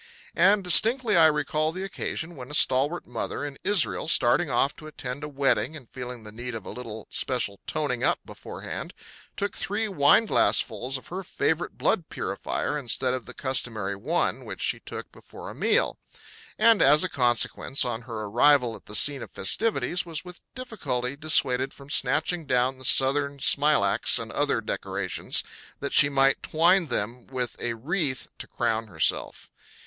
And distinctly I recall the occasion when a stalwart mother in Israel, starting off to attend a wedding and feeling the need of a little special toning up beforehand, took three wineglassfuls of her favorite Blood Purifier instead of the customary one which she took before a meal; and, as a consequence, on her arrival at the scene of festivities was with difficulty dissuaded from snatching down the Southern smilax and other decorations that she might twine with them a wreath to crown herself.